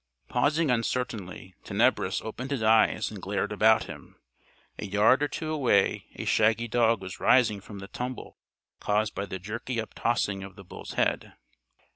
Pausing uncertainly, Tenebris opened his eyes and glared about him. A yard or two away a shaggy dog was rising from the tumble caused by the jerky uptossing of the bull's head.